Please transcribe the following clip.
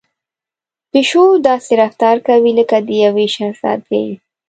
پيشو داسې رفتار کوي لکه د يوې شهزادګۍ.